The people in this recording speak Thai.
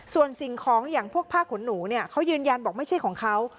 ส่วนสิ่งของอย่างพวกผ้าขนหนูเนี่ยเขายืนยันบอกไม่ใช่ของเขา